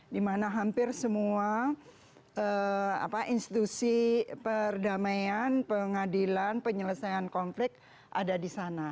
dimana hampir semua institusi perdamaian pengadilan penyelesaian konflik ada di sana